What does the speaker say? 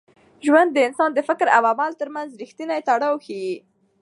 ژوند د انسان د فکر او عمل تر منځ رښتینی تړاو ښيي.